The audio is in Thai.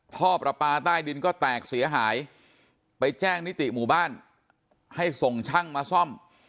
ท่อประปาใต้ดินก็แตกเสียหายไปแจ้งนิติหมู่บ้านให้ส่งช่างมาซ่อม